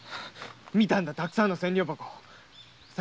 見たんだたくさんの千両箱。